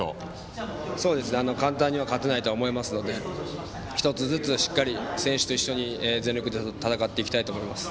簡単には勝てないと思いますので１つずつしっかりと選手と一緒に全力で戦っていきたいと思います。